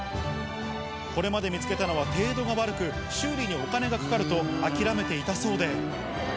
これまで見つけたのは程度が悪く、修理にお金がかかると諦めていたそうで。